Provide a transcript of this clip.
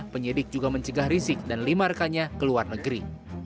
penyidik juga mencegah rizik dan lima rekannya keluar negeri